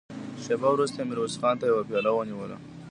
شېبه وروسته يې ميرويس خان ته يوه پياله ونيوله.